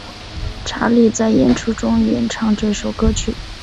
查理在演出中演唱这首歌曲。